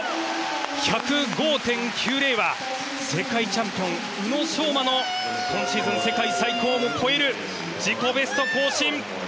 １０５．９０は世界チャンピオン宇野昌磨の今シーズン世界最高を超える自己ベスト更新！